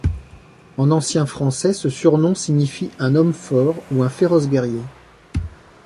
En ancien français, ce surnom signifie un homme fort ou un féroce guerrier.